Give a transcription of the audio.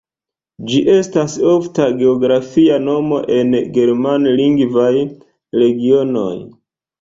Ĝi estas ofta geografia nomo en germanlingvaj regionoj.